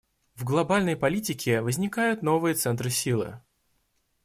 В глобальной политике возникают новые центры силы.